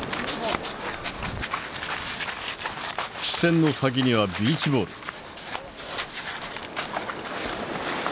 視線の先にはビーチボール。